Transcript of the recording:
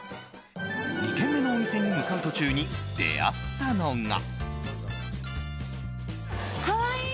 ２軒目のお店に向かう途中に出会ったのが。